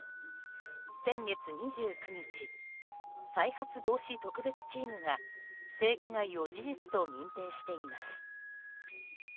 先月２９日再発防止特別チームが性加害を事実と認定しています。